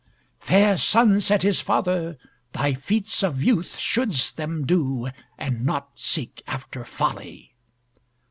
"Fair son," said his father, "thy feats of youth shouldst them do, and not seek after folly."